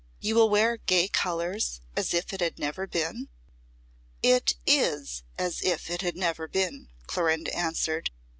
"You will wear gay colours as if it had never been?" "It is as if it had never been," Clorinda answered.